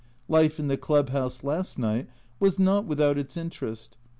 Life in the Club house last night was not without its interest.